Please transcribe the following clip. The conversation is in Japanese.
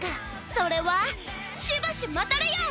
それはしばし待たれよ！